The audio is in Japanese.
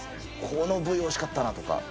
この部位おいしかったなとか。